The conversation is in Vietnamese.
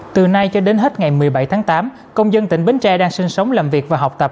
từ nay cho đến hết ngày một mươi bảy tháng tám công dân tỉnh bến tre đang sinh sống làm việc và học tập